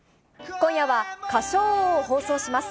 今夜は歌唱王を放送します。